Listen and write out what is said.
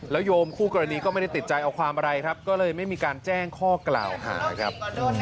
โยมคู่กรณีก็ไม่ได้ติดใจเอาความอะไรครับก็เลยไม่มีการแจ้งข้อกล่าวหาครับ